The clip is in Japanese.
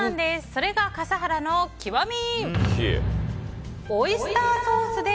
それが笠原の極み。